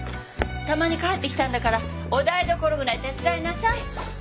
たまに帰ってきたんだからお台所ぐらい手伝いなさい。